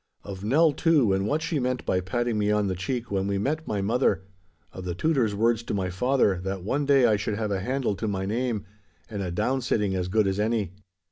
Of Nell, too, and what she meant by patting me on the cheek when we met my mother, of the Tutor's words to my father that one day I should have a handle to my name and a down sitting as good as any.